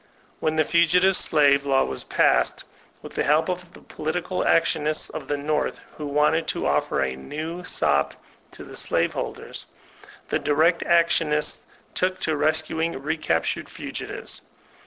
When the fugitive slave law was passed, with the hdp of the political actionists of the North who wanted to oflFer a new sop to the slave holders, the direct actionists took to rescuing recaptured fugitives.